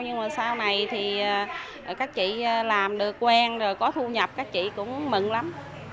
nhưng mà sau này thì các chị làm được quen rồi có thu nhập các chị cũng mừng lắm